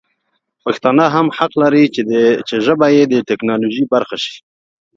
پښتانه هم حق لري چې ژبه یې د ټکنالوژي برخه شي.